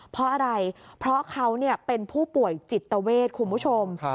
เพราะอะไรเพราะเขาเป็นผู้ป่วยจิตเวทคุณผู้ชม